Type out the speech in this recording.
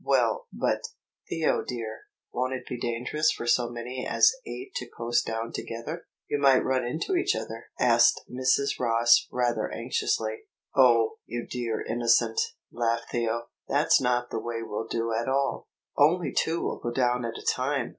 "Well, but, Theo dear, won't it be dangerous for so many as eight to coast down together? You might run into each other," asked Mrs. Ross, rather anxiously. "O you dear innocent!" laughed Theo, "that's not the way we'll do at all. Only two will go down at a time.